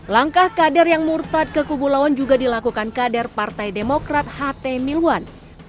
langkah kader yang murtad kekubulauan juga dilakukan kader partai demokrat ht milwan